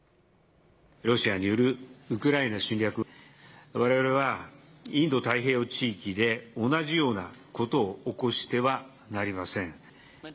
ロシアによるウクライナ侵略、われわれはインド太平洋地域で、同じようなことを起こしてはなりません。